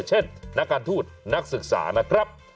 เช่นนักการทูตนักศึกษานะครับ